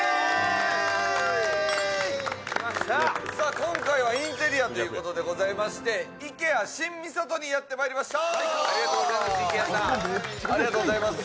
今回はインテリアということでございましてＩＫＥＡ新三郷にやってまいりました。